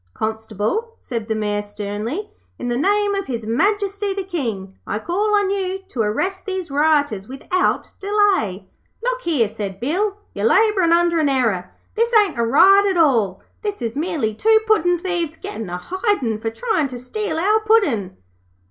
'Constable,' said the Mayor, sternly, 'in the name of His Majesty the King, I call on you to arrest these rioters without delay.' 'Look here,' said Bill, 'you're labourin' under an error. This ain't a riot at all. This is merely two puddin' thieves gettin' a hidin' for tryin' to steal our Puddin'.'